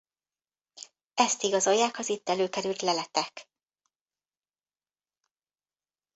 Ezt igazolják az itt előkerült leletek.